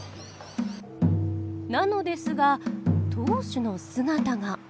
なのですが当主の姿が。